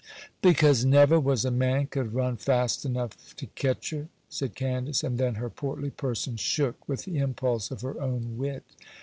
'Because never was a man could run fast enough to catch her,' said Candace; and then her portly person shook with the impulse of her own wit.